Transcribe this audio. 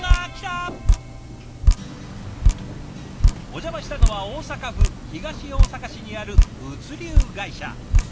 お邪魔したのは大阪府東大阪市にある物流会社。